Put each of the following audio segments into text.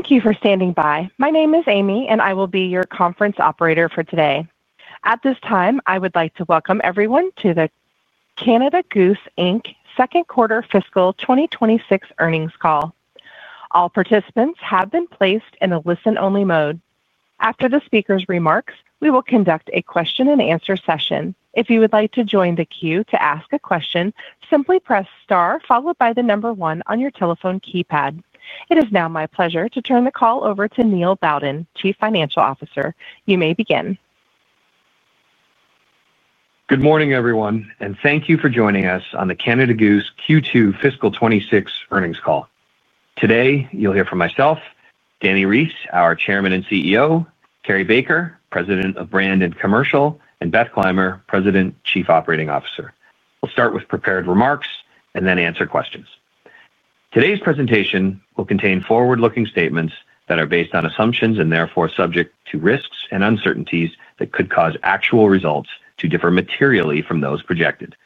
Thank you for standing by. My name is Amy, and I will be your conference operator for today. At this time, I would like to welcome everyone to the Canada Goose Inc. second quarter fiscal 2026 earnings call. All participants have been placed in a listen-only mode. After the speaker's remarks, we will conduct a question-and-answer session. If you would like to join the queue to ask a question, simply press star followed by the number one on your telephone keypad. It is now my pleasure to turn the call over to Neil Bowden, Chief Financial Officer. You may begin. Good morning, everyone, and thank you for joining us on the Canada Goose Q2 fiscal 2026 earnings call. Today, you'll hear from myself, Dani Reiss, our Chairman and CEO; Carrie Baker, President of Brand and Commercial; and Beth Clymer, President, Chief Operating Officer. We'll start with prepared remarks and then answer questions. Today's presentation will contain forward-looking statements that are based on assumptions and therefore subject to risks and uncertainties that could cause actual results to differ materially from those projected.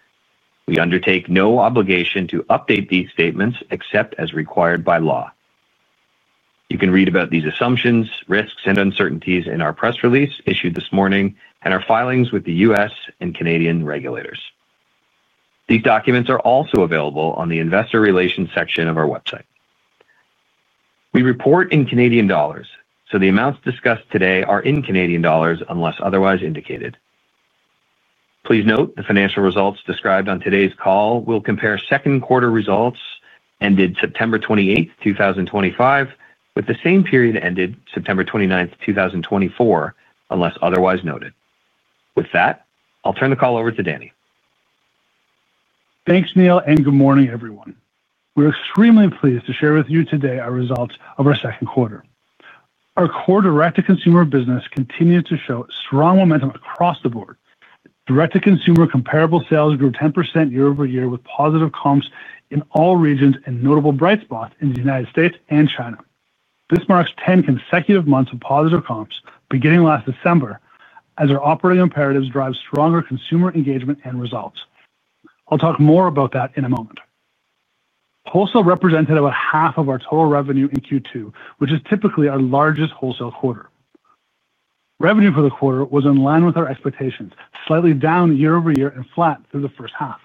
We undertake no obligation to update these statements except as required by law. You can read about these assumptions, risks, and uncertainties in our press release issued this morning and our filings with the U.S. and Canadian regulators. These documents are also available on the Investor Relations section of our website. We report in Canadian dollars, so the amounts discussed today are in Canadian dollars unless otherwise indicated. Please note the financial results described on today's call will compare second-quarter results ended September 28, 2025, with the same period ended September 29, 2024, unless otherwise noted. With that, I'll turn the call over to Dani. Thanks, Neil, and good morning, everyone. We're extremely pleased to share with you today our results of our second quarter. Our core direct-to-consumer business continues to show strong momentum across the board. Direct-to-consumer comparable sales grew 10% year-over-year with positive comps in all regions and notable bright spots in the United States and China. This marks 10 consecutive months of positive comps, beginning last December, as our operating imperatives drive stronger consumer engagement and results. I'll talk more about that in a moment. Wholesale represented about half of our total revenue in Q2, which is typically our largest wholesale quarter. Revenue for the quarter was in line with our expectations, slightly down year-over-year and flat through the first half.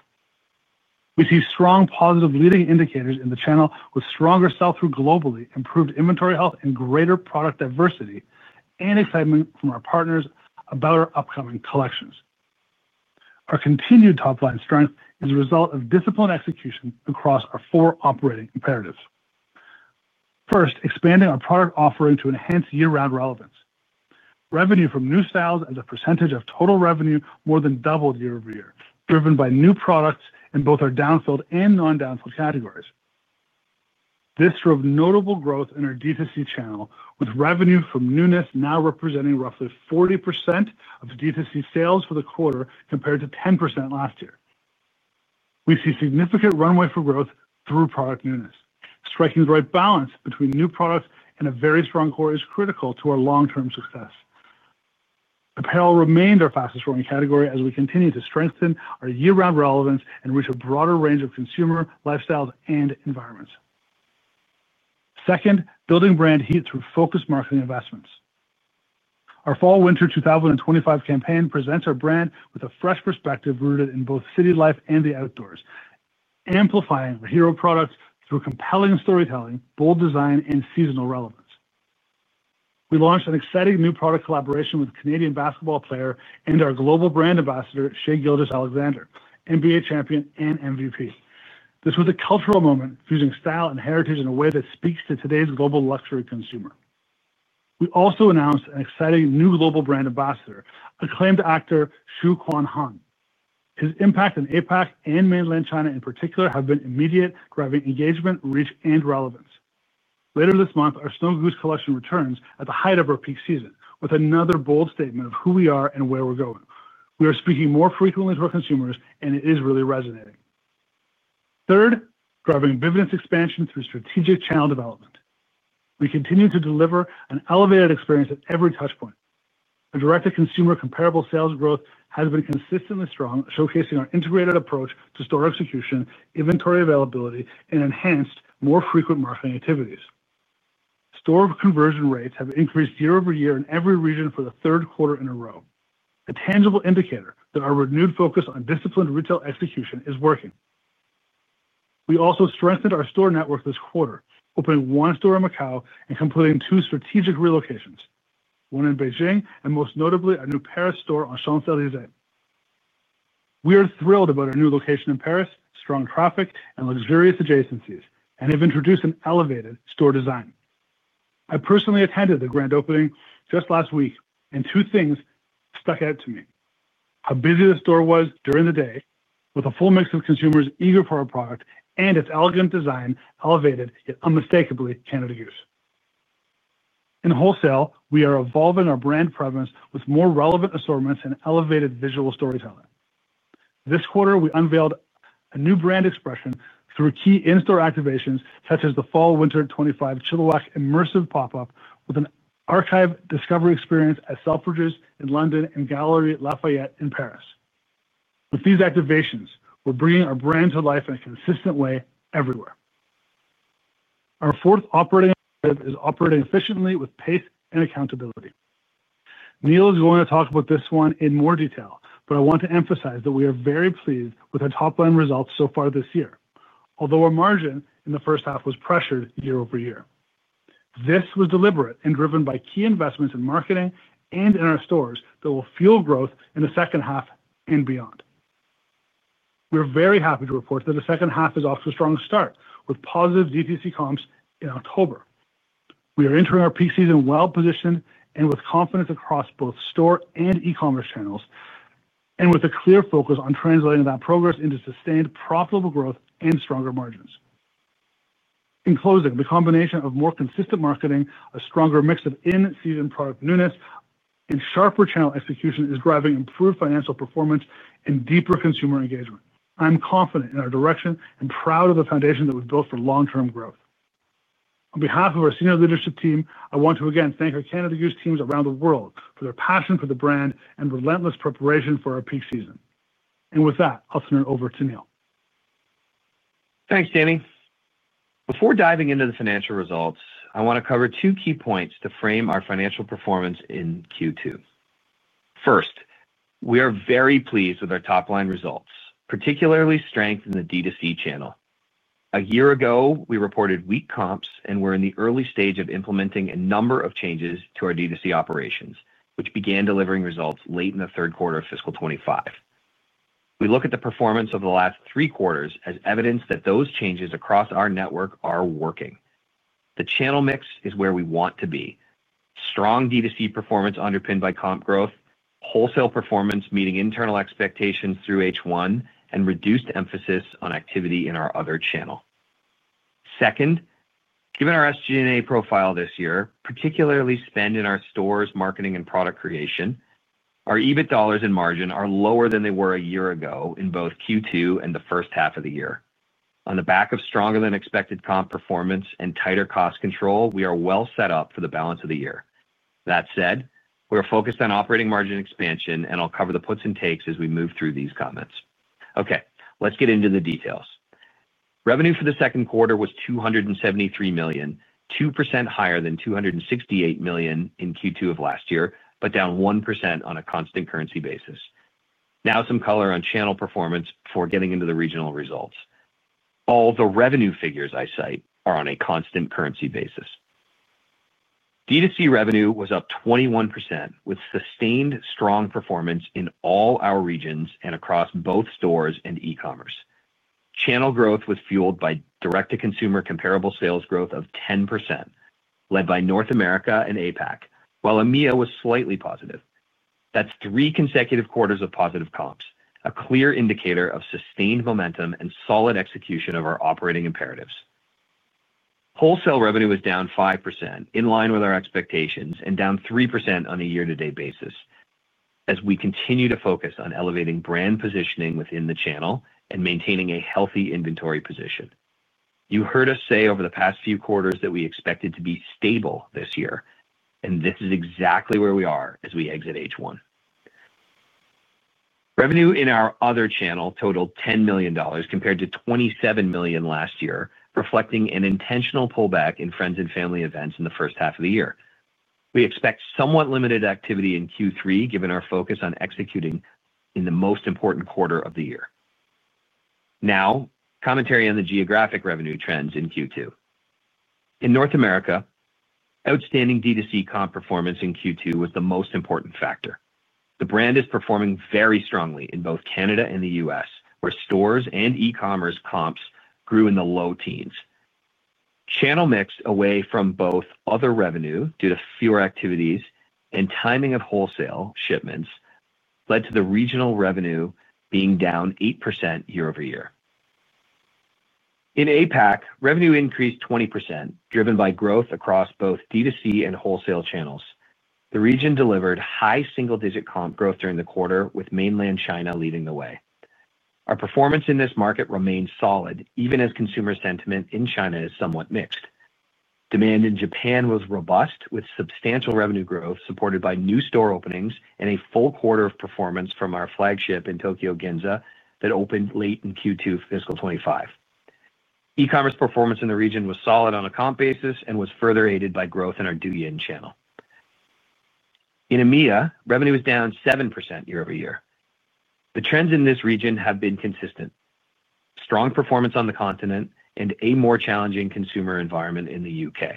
We see strong positive leading indicators in the channel, with stronger sell-through globally, improved inventory health, and greater product diversity and excitement from our partners about our upcoming collections. Our continued top-line strength is a result of disciplined execution across our four operating imperatives. First, expanding our product offering to enhance year-round relevance. Revenue from new sales as a percentage of total revenue more than doubled year-over-year, driven by new products in both our downfilled and non-downfilled categories. This drove notable growth in our D2C channel, with revenue from newness now representing roughly 40% of D2C sales for the quarter compared to 10% last year. We see significant runway for growth through product newness. Striking the right balance between new products and a very strong core is critical to our long-term success. Apparel remains our fastest-growing category as we continue to strengthen our year-round relevance and reach a broader range of consumer lifestyles and environments. Second, building brand heat through focused marketing investments. Our Fall/Winter 2025 campaign presents our brand with a fresh perspective rooted in both city life and the outdoors, amplifying our hero products through compelling storytelling, bold design, and seasonal relevance. We launched an exciting new product collaboration with a Canadian basketball player and our global brand ambassador, Shai Gilgeous-Alexander, NBA champion and MVP. This was a cultural moment, fusing style and heritage in a way that speaks to today's global luxury consumer. We also announced an exciting new global brand ambassador, acclaimed actor Hsu Kuang-han. His impact in APAC and mainland China in particular has been immediate, driving engagement, reach, and relevance. Later this month, our Snow Goose collection returns at the height of our peak season, with another bold statement of who we are and where we're going. We are speaking more frequently to our consumers, and it is really resonating. Third, driving vividness expansion through strategic channel development. We continue to deliver an elevated experience at every touchpoint. Our direct-to-consumer comparable sales growth has been consistently strong, showcasing our integrated approach to store execution, inventory availability, and enhanced more frequent marketing activities. Store conversion rates have increased year-over-year in every region for the third quarter in a row, a tangible indicator that our renewed focus on disciplined retail execution is working. We also strengthened our store network this quarter, opening one store in Macau and completing two strategic relocations, one in Beijing and most notably a new Paris store on Champs-Élysées. We are thrilled about our new location in Paris, strong traffic, and luxurious adjacencies, and have introduced an elevated store design. I personally attended the grand opening just last week, and two things stuck out to me: how busy the store was during the day, with a full mix of consumers eager for our product and its elegant design, elevated yet unmistakably Canada Goose. In wholesale, we are evolving our brand preference with more relevant assortments and elevated visual storytelling. This quarter, we unveiled a new brand expression through key in-store activations such as the Fall/Winter 2025 Chilliwack Immersive Pop-Up with an archive discovery experience at Selfridges in London and Galeries Lafayette in Paris. With these activations, we're bringing our brand to life in a consistent way everywhere. Our fourth operating objective is operating efficiently with pace and accountability. Neil is going to talk about this one in more detail, but I want to emphasize that we are very pleased with our top-line results so far this year, although our margin in the first half was pressured year-over-year. This was deliberate and driven by key investments in marketing and in our stores that will fuel growth in the second half and beyond. We're very happy to report that the second half is off to a strong start with positive D2C comps in October. We are entering our peak season well-positioned and with confidence across both store and e-commerce channels, and with a clear focus on translating that progress into sustained profitable growth and stronger margins. In closing, the combination of more consistent marketing, a stronger mix of in-season product newness, and sharper channel execution is driving improved financial performance and deeper consumer engagement. I'm confident in our direction and proud of the foundation that we've built for long-term growth. On behalf of our senior leadership team, I want to again thank our Canada Goose teams around the world for their passion for the brand and relentless preparation for our peak season. With that, I'll turn it over to Neil. Thanks, Dani. Before diving into the financial results, I want to cover two key points to frame our financial performance in Q2. First, we are very pleased with our top-line results, particularly strength in the D2C channel. A year ago, we reported weak comps and were in the early stage of implementing a number of changes to our D2C operations, which began delivering results late in the third quarter of fiscal 2025. We look at the performance of the last three quarters as evidence that those changes across our network are working. The channel mix is where we want to be: strong D2C performance underpinned by comp growth, wholesale performance meeting internal expectations through H1, and reduced emphasis on activity in our other channel. Second, given our SG&A profile this year, particularly spend in our stores, marketing, and product creation, our EBIT dollars and margin are lower than they were a year ago in both Q2 and the first half of the year. On the back of stronger-than-expected comp performance and tighter cost control, we are well set up for the balance of the year. That said, we're focused on operating margin expansion, and I'll cover the puts and takes as we move through these comments. Okay, let's get into the details. Revenue for the second quarter was 273 million, 2% higher than 268 million in Q2 of last year, but down 1% on a constant currency basis. Now, some color on channel performance before getting into the regional results. All the revenue figures I cite are on a constant currency basis. D2C revenue was up 21%, with sustained strong performance in all our regions and across both stores and e-commerce. Channel growth was fueled by direct-to-consumer comparable sales growth of 10%, led by North America and APAC, while EMEA was slightly positive. That's three consecutive quarters of positive comps, a clear indicator of sustained momentum and solid execution of our operating imperatives. Wholesale revenue was down 5%, in line with our expectations, and down 3% on a year-to-date basis, as we continue to focus on elevating brand positioning within the channel and maintaining a healthy inventory position. You heard us say over the past few quarters that we expected to be stable this year, and this is exactly where we are as we exit H1. Revenue in our other channel totaled 10 million dollars compared to 27 million last year, reflecting an intentional pullback in friends and family events in the first half of the year. We expect somewhat limited activity in Q3, given our focus on executing in the most important quarter of the year. Now, commentary on the geographic revenue trends in Q2. In North America, outstanding D2C comp performance in Q2 was the most important factor. The brand is performing very strongly in both Canada and the U.S., where stores and e-commerce comps grew in the low teens. Channel mix away from both other revenue due to fewer activities and timing of wholesale shipments led to the regional revenue being down 8% year-over-year. In APAC, revenue increased 20%, driven by growth across both D2C and wholesale channels. The region delivered high single-digit comp growth during the quarter, with mainland China leading the way. Our performance in this market remains solid, even as consumer sentiment in China is somewhat mixed. Demand in Japan was robust, with substantial revenue growth supported by new store openings and a full quarter of performance from our flagship in Tokyo, Ginza, that opened late in Q2 fiscal 2025. E-commerce performance in the region was solid on a comp basis and was further aided by growth in our Douyin channel. In EMEA, revenue was down 7% year-over-year. The trends in this region have been consistent: strong performance on the continent and a more challenging consumer environment in the U.K.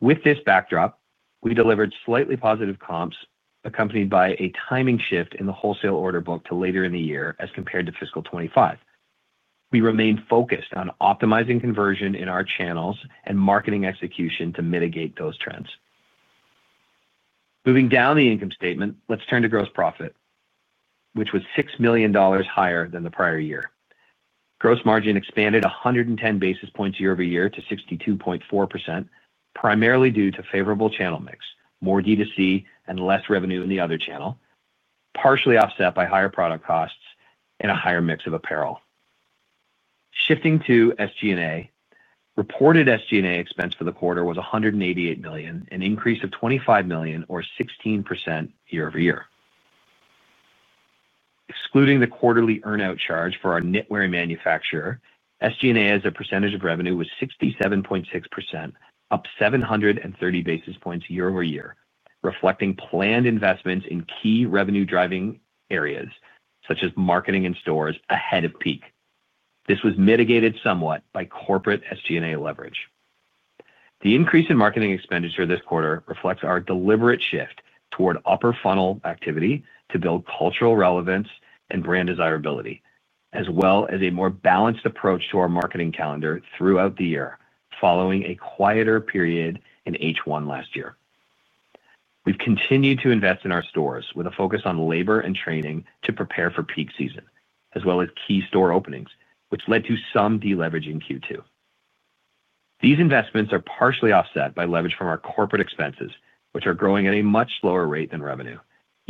With this backdrop, we delivered slightly positive comps accompanied by a timing shift in the wholesale order book to later in the year as compared to fiscal 2025. We remained focused on optimizing conversion in our channels and marketing execution to mitigate those trends. Moving down the income statement, let's turn to gross profit, which was 6 million dollars higher than the prior year. Gross margin expanded 110 basis points year-over-year to 62.4%, primarily due to favorable channel mix, more D2C, and less revenue in the other channel, partially offset by higher product costs and a higher mix of apparel. Shifting to SG&A, reported SG&A expense for the quarter was 188 million, an increase of 25 million, or 16% year-over-year. Excluding the quarterly earn-out charge for our knitwear manufacturer, SG&A as a percentage of revenue was 67.6%, up 730 basis points year-over-year, reflecting planned investments in key revenue-driving areas such as marketing and stores ahead of peak. This was mitigated somewhat by corporate SG&A leverage. The increase in marketing expenditure this quarter reflects our deliberate shift toward upper-funnel activity to build cultural relevance and brand desirability, as well as a more balanced approach to our marketing calendar throughout the year, following a quieter period in H1 last year. We've continued to invest in our stores with a focus on labor and training to prepare for peak season, as well as key store openings, which led to some deleveraging in Q2. These investments are partially offset by leverage from our corporate expenses, which are growing at a much slower rate than revenue,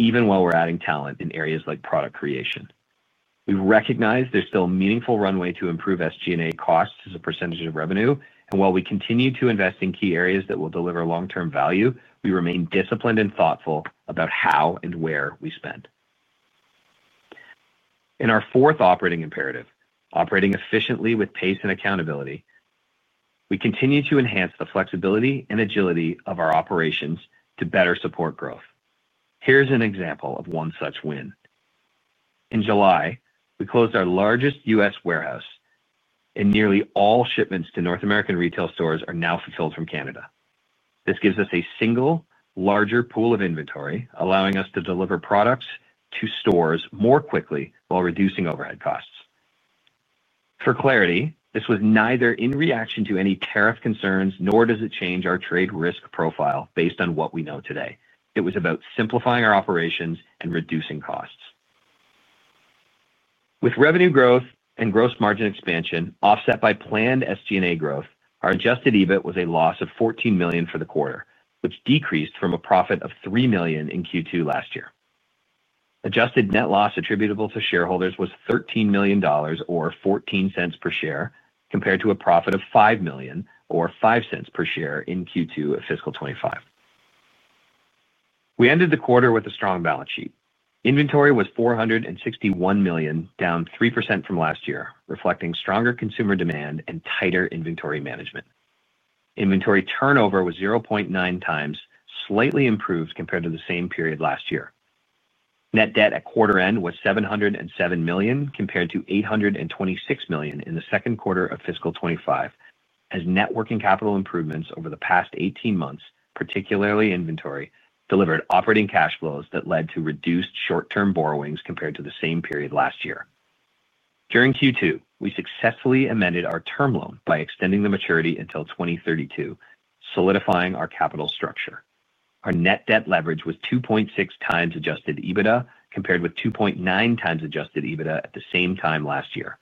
even while we're adding talent in areas like product creation. We recognize there's still a meaningful runway to improve SG&A costs as a percentage of revenue, and while we continue to invest in key areas that will deliver long-term value, we remain disciplined and thoughtful about how and where we spend. In our fourth operating imperative, operating efficiently with pace and accountability, we continue to enhance the flexibility and agility of our operations to better support growth. Here's an example of one such win. In July, we closed our largest U.S. warehouse, and nearly all shipments to North American retail stores are now fulfilled from Canada. This gives us a single, larger pool of inventory, allowing us to deliver products to stores more quickly while reducing overhead costs. For clarity, this was neither in reaction to any tariff concerns nor does it change our trade risk profile based on what we know today. It was about simplifying our operations and reducing costs. With revenue growth and gross margin expansion offset by planned SG&A growth, our adjusted EBIT was a loss of 14 million for the quarter, which decreased from a profit of 3 million in Q2 last year. Adjusted net loss attributable to shareholders was 13 million dollars, or 0.14 per share, compared to a profit of 5 million, or 0.05 per share in Q2 of fiscal 2025. We ended the quarter with a strong balance sheet. Inventory was 461 million, down 3% from last year, reflecting stronger consumer demand and tighter inventory management. Inventory turnover was 0.9x, slightly improved compared to the same period last year. Net debt at quarter-end was 707 million, compared to 826 million in the second quarter of fiscal 2025, as networking capital improvements over the past 18 months, particularly inventory, delivered operating cash flows that led to reduced short-term borrowings compared to the same period last year. During Q2, we successfully amended our term loan by extending the maturity until 2032, solidifying our capital structure. Our net debt leverage was 2.6x adjusted EBITDA, compared with 2.9x adjusted EBITDA at the same time last year.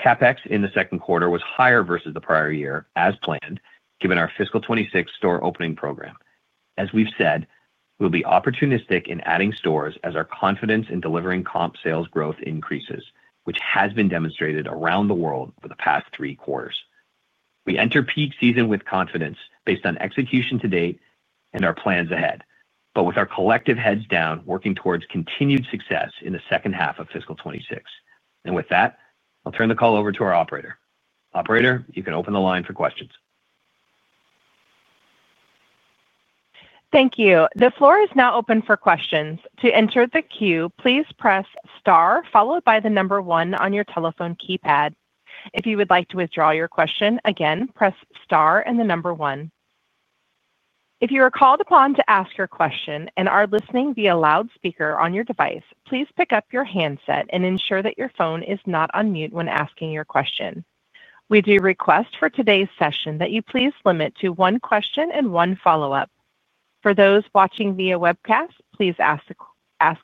CapEx in the second quarter was higher versus the prior year, as planned, given our fiscal 2026 store opening program. As we've said, we'll be opportunistic in adding stores as our confidence in delivering comp sales growth increases, which has been demonstrated around the world for the past three quarters. We enter peak season with confidence based on execution to date and our plans ahead, with our collective heads down, working towards continued success in the second half of fiscal 2026. With that, I'll turn the call over to our operator. Operator, you can open the line for questions. Thank you. The floor is now open for questions. To enter the queue, please press star, followed by the number one on your telephone keypad. If you would like to withdraw your question, again, press star and the number one. If you are called upon to ask your question and are listening via loudspeaker on your device, please pick up your handset and ensure that your phone is not on mute when asking your question. We do request for today's session that you please limit to one question and one follow-up. For those watching via webcast, please ask the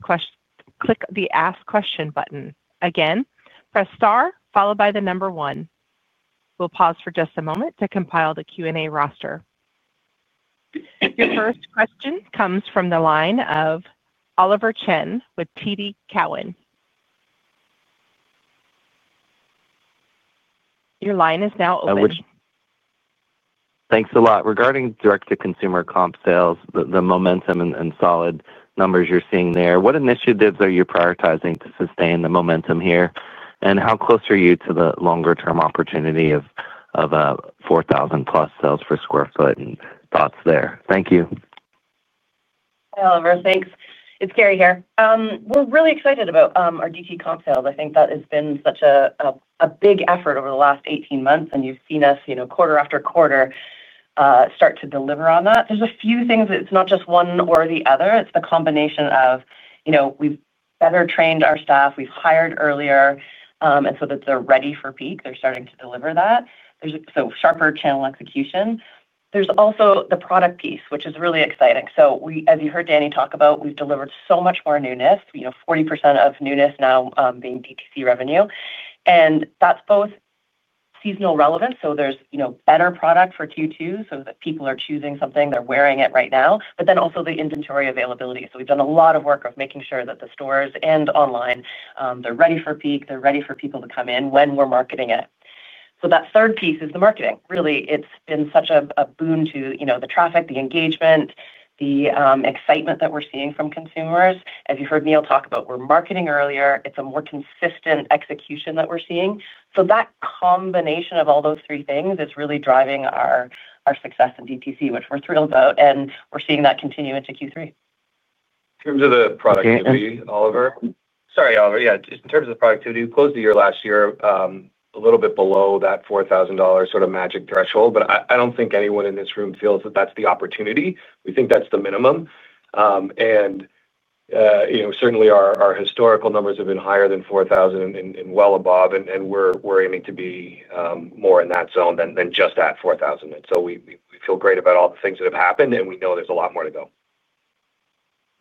question, click the Ask Question button. Again, press star, followed by the number one. We'll pause for just a moment to compile the Q&A roster. The first question comes from the line of Oliver Chen with TD Cowen. Your line is now open. Thanks a lot. Regarding direct-to-consumer comp sales, the momentum and solid numbers you're seeing there, what initiatives are you prioritizing to sustain the momentum here? How close are you to the longer-term opportunity of 4,000+ sales per sq ft and thoughts there? Thank you. Hi, Oliver. Thanks. It's Carrie here. We're really excited about our DTC comp sales. I think that has been such a big effort over the last 18 months, and you've seen us quarter after quarter start to deliver on that. There's a few things that it's not just one or the other. It's a combination of. We've better trained our staff. We've hired earlier, and so that they're ready for peak. They're starting to deliver that. There's sharper channel execution. There's also the product piece, which is really exciting. As you heard Dani talk about, we've delivered so much more newness, 40% of newness now being DTC revenue. That's both seasonal relevance, so there's better product for Q2, so that people are choosing something. They're wearing it right now. Then also the inventory availability. We've done a lot of work of making sure that the stores and online, they're ready for peak. They're ready for people to come in when we're marketing it. That third piece is the marketing. Really, it's been such a boon to the traffic, the engagement, the excitement that we're seeing from consumers. As you heard Neil talk about, we're marketing earlier. It's a more consistent execution that we're seeing. That combination of all those three things is really driving our success in DTC, which we're thrilled about, and we're seeing that continue into Q3. In terms of the productivity, Oliver. Sorry, Oliver. Yeah, just in terms of productivity, we closed the year last year a little bit below that 4,000 dollar sort of magic threshold, but I do not think anyone in this room feels that that is the opportunity. We think that is the minimum. Certainly our historical numbers have been higher than 4,000 and well above, and we are aiming to be more in that zone than just at 4,000. We feel great about all the things that have happened, and we know there is a lot more to go.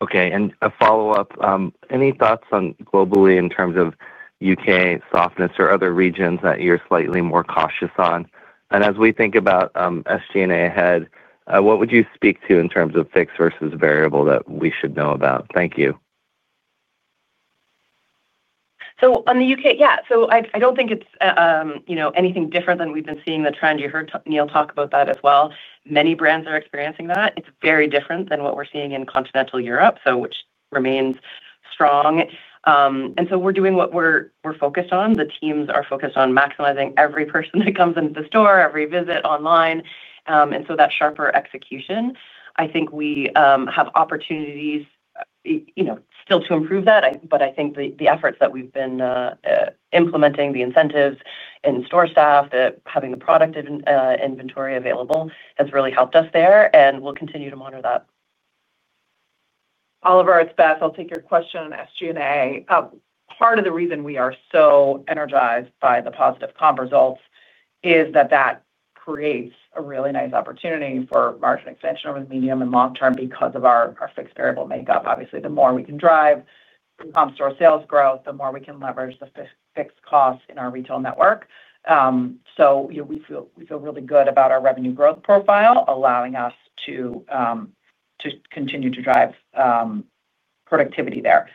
Okay. A follow-up. Any thoughts on globally in terms of U.K. softness or other regions that you're slightly more cautious on? As we think about SG&A ahead, what would you speak to in terms of fixed versus variable that we should know about? Thank you. On the U.K., yeah. I do not think it is anything different than we have been seeing, the trend. You heard Neil talk about that as well. Many brands are experiencing that. It is very different than what we are seeing in continental Europe, which remains strong. We are doing what we are focused on. The teams are focused on maximizing every person that comes into the store, every visit online, and that sharper execution. I think we have opportunities still to improve that, but I think the efforts that we have been implementing, the incentives in store staff, having the product inventory available, has really helped us there, and we will continue to monitor that. Oliver, it's Beth. I'll take your question on SG&A. Part of the reason we are so energized by the positive comp results is that that creates a really nice opportunity for margin expansion over the medium and long term because of our fixed variable makeup. Obviously, the more we can drive comp store sales growth, the more we can leverage the fixed costs in our retail network. We feel really good about our revenue growth profile, allowing us to continue to drive productivity there.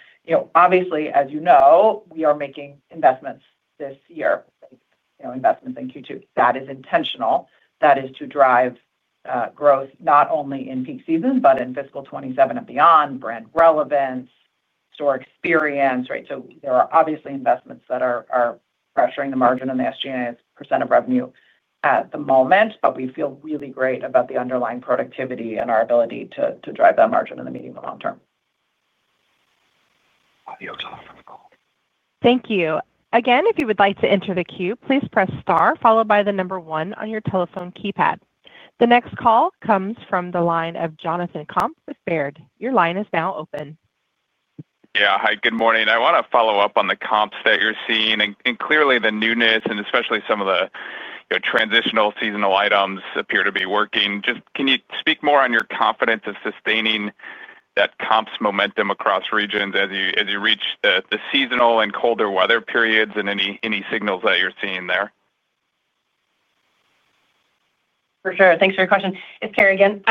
Obviously, as you know, we are making investments this year, investments in Q2. That is intentional. That is to drive growth, not only in peak season, but in fiscal 2027 and beyond, brand relevance, store experience, right? There are obviously investments that are pressuring the margin and the SG&A's percent of revenue at the moment, but we feel really great about the underlying productivity and our ability to drive that margin in the medium and long term. Audio is off on the call. Thank you. Again, if you would like to enter the queue, please press star, followed by the number one on your telephone keypad. The next call comes from the line of Jonathan Komp with Baird. Your line is now open. Yeah. Hi, good morning. I want to follow up on the comps that you're seeing. Clearly, the newness and especially some of the transitional seasonal items appear to be working. Just can you speak more on your confidence of sustaining that comps momentum across regions as you reach the seasonal and colder weather periods, and any signals that you're seeing there? For sure. Thanks for your question. It's Carrie again.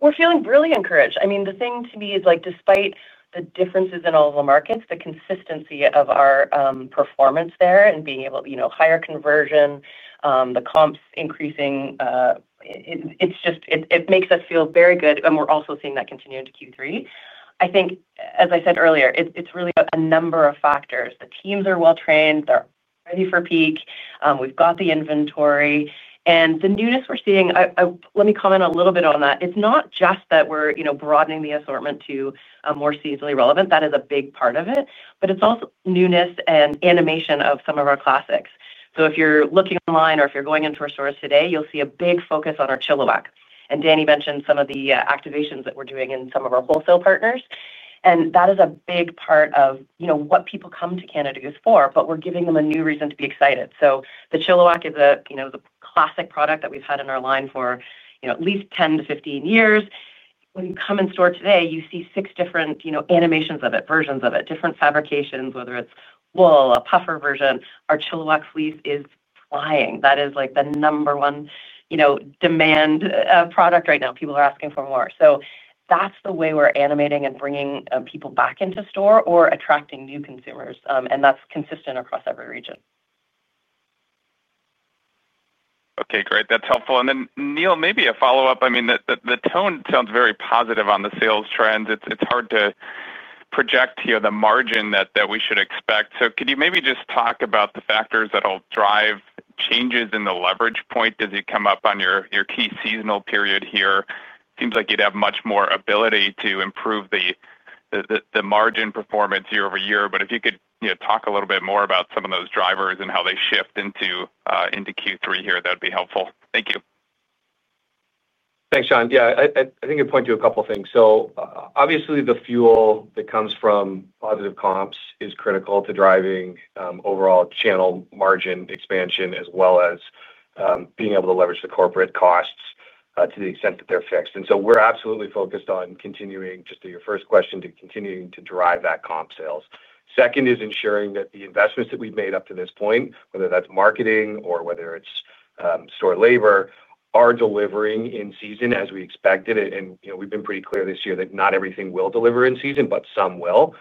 We're feeling really encouraged. I mean, the thing to me is, despite the differences in all of the markets, the consistency of our performance there and being able to higher conversion, the comps increasing. It makes us feel very good, and we're also seeing that continue into Q3. I think, as I said earlier, it's really a number of factors. The teams are well-trained. They're ready for peak. We've got the inventory. The newness we're seeing, let me comment a little bit on that. It's not just that we're broadening the assortment to more seasonally relevant. That is a big part of it. It's also newness and animation of some of our classics. If you're looking online or if you're going into our stores today, you'll see a big focus on our Chilliwack. Dani mentioned some of the activations that we're doing in some of our wholesale partners. That is a big part of what people come to Canada Goose for, but we're giving them a new reason to be excited. The Chilliwack is the classic product that we've had in our line for at least 10-15 years. When you come in store today, you see six different animations of it, versions of it, different fabrications, whether it's wool, a puffer version. Our Chilliwack fleece is flying. That is the number one demand product right now. People are asking for more. That's the way we're animating and bringing people back into store or attracting new consumers. That's consistent across every region. Okay. Great. That's helpful. Neil, maybe a follow-up. I mean, the tone sounds very positive on the sales trends. It's hard to project the margin that we should expect. Can you maybe just talk about the factors that'll drive changes in the leverage point as you come up on your key seasonal period here? It seems like you'd have much more ability to improve the margin performance year over year. If you could talk a little bit more about some of those drivers and how they shift into Q3 here, that'd be helpful. Thank you. Thanks, John. Yeah. I think you'll point to a couple of things. Obviously, the fuel that comes from positive comps is critical to driving overall channel margin expansion, as well as being able to leverage the corporate costs to the extent that they're fixed. We're absolutely focused on continuing, just to your first question, to continuing to drive that comp sales. Second is ensuring that the investments that we've made up to this point, whether that's marketing or whether it's store labor, are delivering in season as we expected. We've been pretty clear this year that not everything will deliver in season, but some will.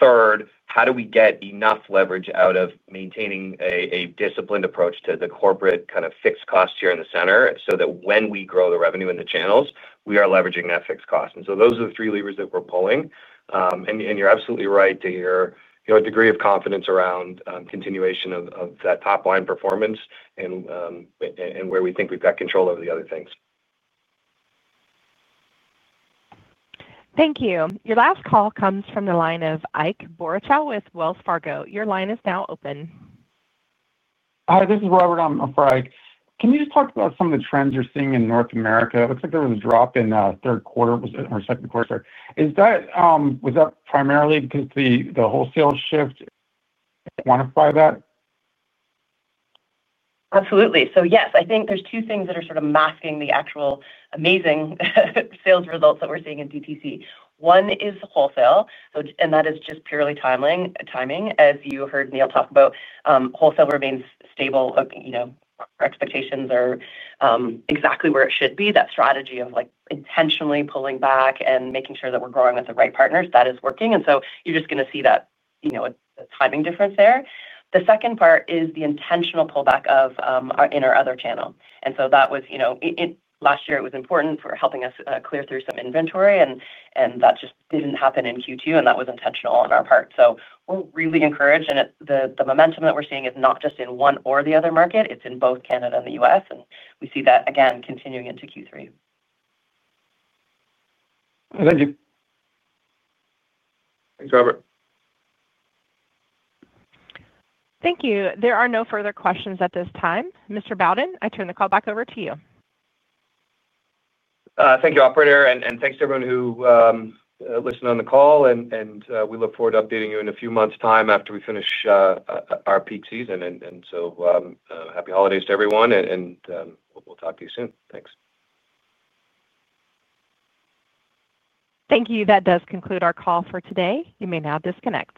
Third, how do we get enough leverage out of maintaining a disciplined approach to the corporate kind of fixed costs here in the center so that when we grow the revenue in the channels, we are leveraging that fixed cost? Those are the three levers that we're pulling. You're absolutely right to your degree of confidence around continuation of that top-line performance and where we think we've got control over the other things. Thank you. Your last call comes from the line of Ike Boruchow with Wells Fargo. Your line is now open. Hi, this is Robert, I'm afraid. Can you just talk about some of the trends you're seeing in North America? It looks like there was a drop in third quarter or second quarter. Was that primarily because of the wholesale shift? Quantify that? Absolutely. Yes, I think there are two things that are sort of masking the actual amazing sales results that we are seeing in DTC. One is wholesale, and that is just purely timing. As you heard Neil talk about, wholesale remains stable. Expectations are exactly where it should be. That strategy of intentionally pulling back and making sure that we are growing with the right partners, that is working. You are just going to see that timing difference there. The second part is the intentional pullback in our other channel. Last year, it was important for helping us clear through some inventory, and that just did not happen in Q2, and that was intentional on our part. We are really encouraged, and the momentum that we are seeing is not just in one or the other market. It's in both Canada and the U.S., and we see that, again, continuing into Q3. Thank you. Thanks, Robert. Thank you. There are no further questions at this time. Mr. Bowden, I turn the call back over to you. Thank you, operator. Thank you to everyone who listened on the call, and we look forward to updating you in a few months' time after we finish our peak season. Happy holidays to everyone, and we'll talk to you soon. Thanks. Thank you. That does conclude our call for today. You may now disconnect.